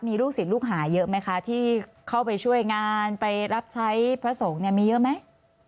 มีลูกศิษย์ลูกหาเยอะไหมคะที่เข้าไปช่วยงานไปรับใช้พระสงฆ์เนี่ยมีเยอะไหม